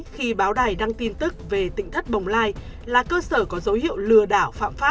khi báo đài đăng tin tức về tỉnh thất bồng lai là cơ sở có dấu hiệu lừa đảo phạm pháp